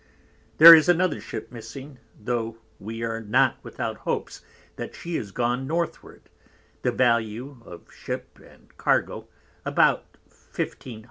There is another Ship missing, tho we are not without hopes that she is gone Northward, the value of Ship and Cargo about 1500 _l.